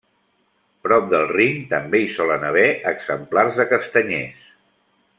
Prop del Rin també hi solen haver exemplars de castanyers.